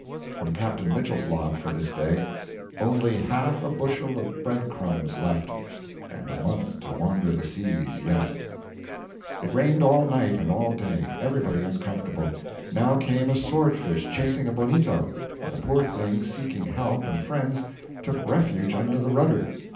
From Captain Mitchell's log for this day: 'Only half a bushel of bread crumbs left.' (And a month to wander the seas yet.') It rained all night and all day; everybody uncomfortable. Now came a sword fish chasing a bonito; and the poor thing, seeking help and friends, took refuge under the rudder.